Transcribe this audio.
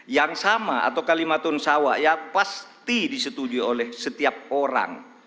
yang sama atau kalimatun sawah ya pasti disetujui oleh setiap orang